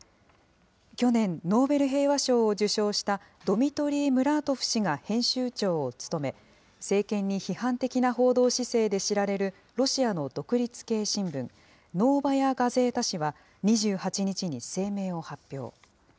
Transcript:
去年、ノーベル平和賞を受賞した、ドミトリー・ムラートフ氏が編集長を務め、政権に批判的な報道姿勢で知られる、ロシアの独立系新聞、ノーバヤ・ガゼータ紙は、２８日に声明を発表。